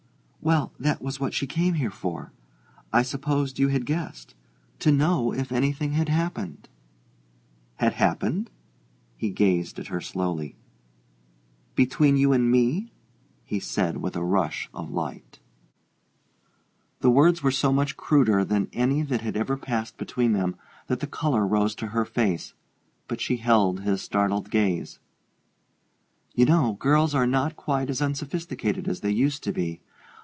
"Well, that was what she came here for: I supposed you had guessed. To know if anything had happened." "Had happened?" He gazed at her slowly. "Between you and me?" he said with a rush of light. The words were so much cruder than any that had ever passed between them that the color rose to her face; but she held his startled gaze. "You know girls are not quite as unsophisticated as they used to be.